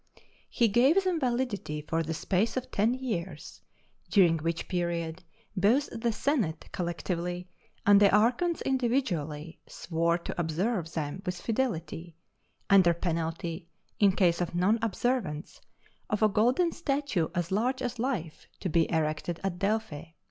He gave them validity for the space of ten years, during which period both the senate collectively and the archons individually swore to observe them with fidelity; under penalty, in case of non observance, of a golden statue as large as life to be erected at Delphi.